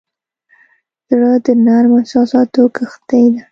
زړه د نرمو احساساتو کښتۍ ده.